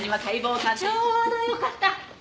ちょうどよかった！